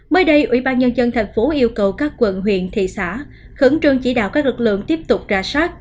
mới đây ủy ban nhân dân thành phố yêu cầu các quận huyện thị xã khẩn trương chỉ đạo các lực lượng tiếp tục ra soát